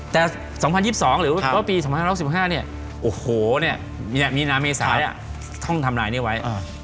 แต่๒๐๒๒หรือว่าปี๒๐๖๕เนี่ยโอ้โหมีนาเมษาท่องทำลายนี้ไว้